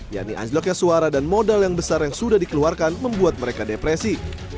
yakni anjloknya suara dan modal yang besar yang sudah dikeluarkan membuat mereka depresi